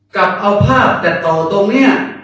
กลับเอาภาพตัดต่อตรงนี้